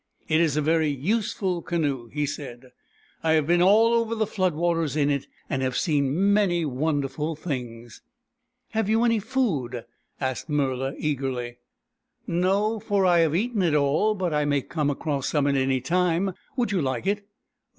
" It is a very useful canoe," he said. " I have been all over the flood waters in it, and have seen many wonderful things." " Have you any food ?" asked Murla eagerly. " No, for I have eaten it all. But I may come across some at any time. Would you hke it?